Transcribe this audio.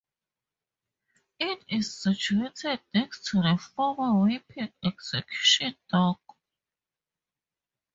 It is situated next to the former Wapping Execution Dock.